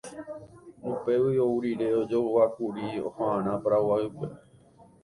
Upégui ou rire, ojoguákuri hogarã Paraguaýpe.